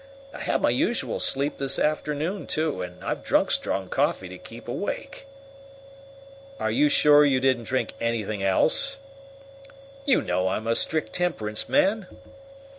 I had my usual sleep this afternoon, too, and I've drunk strong coffee to keep awake." "Are you sure you didn't drink anything else?" "You know I'm a strict temperance man."